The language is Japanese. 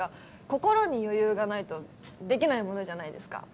心に余裕がないとできないものじゃないですか